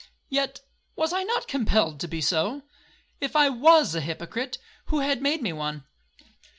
Yet, was I not compelled to be so? If I was a hypocrite, who had made me one?